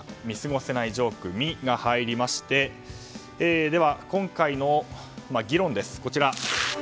見過ごせないジョーク「ミ」が入りまして今回の議論です、こちら。